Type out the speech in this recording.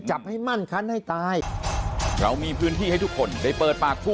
จับให้มั่นคันให้ตาย